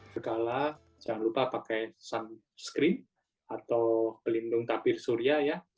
segala jangan lupa pakai sunscreen atau pelindung tapir surya ya